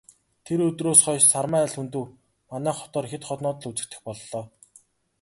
Тэр өдрөөс хойш Сармай Лхүндэв манай хотоор хэд хоноод л үзэгдэх боллоо.